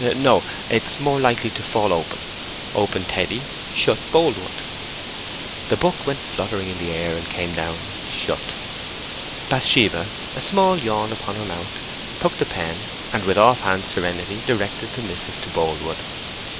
No; it's more likely to fall open. Open, Teddy—shut, Boldwood." The book went fluttering in the air and came down shut. Bathsheba, a small yawn upon her mouth, took the pen, and with off hand serenity directed the missive to Boldwood.